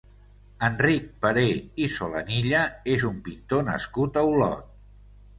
Enric Peré i Solanilla és un pintor nascut a Olot.